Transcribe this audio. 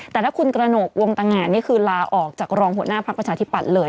แต่ถ้าคุณกระหนกวงตังงานนี่คือลาออกจากรองหัวหน้าพักประชาธิปัตย์เลย